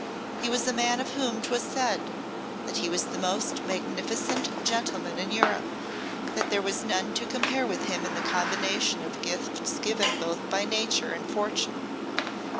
He was a man of whom 'twas said that he was the most magnificent gentleman in Europe; that there was none to compare with him in the combination of gifts given both by Nature and Fortune.